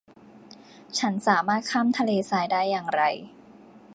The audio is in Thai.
ฉันสามารถข้ามทะเลทรายได้อย่างไร